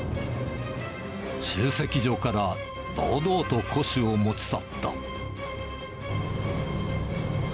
集積所から堂々と古紙を持ちとった。